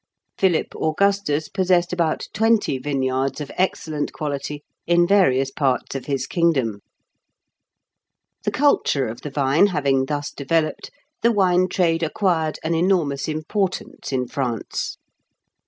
Philip Augustus possessed about twenty vineyards of excellent quality in various parts of his kingdom. The culture of the vine having thus developed, the wine trade acquired an enormous importance in France.